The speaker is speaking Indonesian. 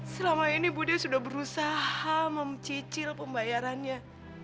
selama ini budi sudah berusaha mencicil pembayarannya